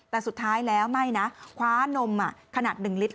แต่สุดท้ายแล้วไม่นะคว้านมขนาด๑ลิตร